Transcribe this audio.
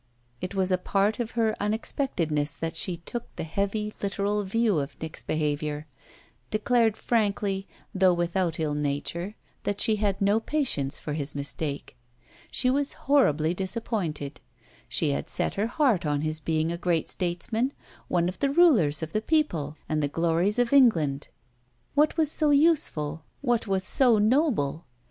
It was a part of her unexpectedness that she took the heavy literal view of Nick's behaviour; declared frankly, though without ill nature, that she had no patience with his mistake. She was horribly disappointed she had set her heart on his being a great statesman, one of the rulers of the people and the glories of England. What was so useful, what was so noble?